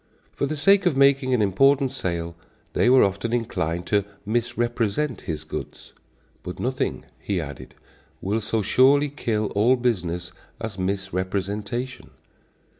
For the sake of making an important sale they were often inclined to misrepresent his goods. "But nothing," he added, "will so surely kill all business as misrepresentation."